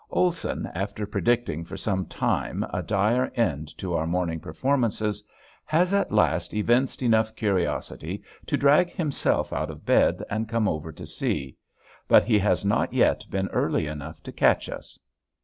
Olson, after predicting for some time a dire end to our morning performances, has at last evinced enough curiosity to drag himself out of bed and come over to see. But he has not yet been early enough to catch us.